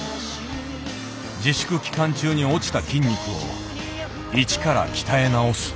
自粛期間中に落ちた筋肉を一から鍛え直す。